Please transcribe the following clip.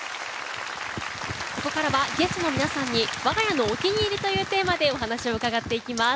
ここからはゲストの皆さんに我が家のお気に入りのものというテーマで伺います。